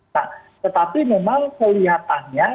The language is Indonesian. nah tetapi memang kelihatannya